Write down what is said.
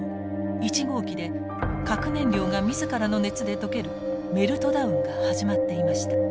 １号機で核燃料が自らの熱で溶けるメルトダウンが始まっていました。